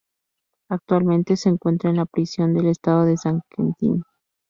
Actualmente se encuentra en la Prisión del Estado de San Quentin.